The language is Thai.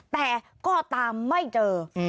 แต่ก็ตามไม่เจอ